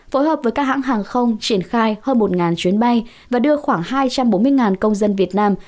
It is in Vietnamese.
phối hợp với các hãng hàng không triển khai hơn một chuyến bay và đưa khoảng hai trăm bốn mươi công dân việt nam